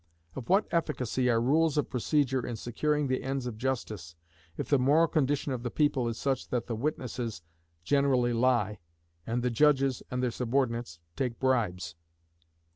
Of what efficacy are rules of procedure in securing the ends of justice if the moral condition of the people is such that the witnesses generally lie, and the judges and their subordinates take bribes?